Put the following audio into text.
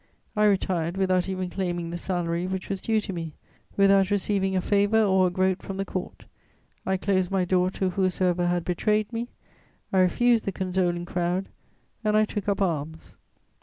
I retired without even claiming the salary which was due to me, without receiving a favour or a groat from the Court; I closed my door to whosoever had betrayed me; I refused the condoling crowd, and I took up arms.